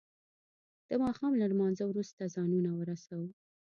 د ما ښام له لما نځه وروسته ځانونه ورسو.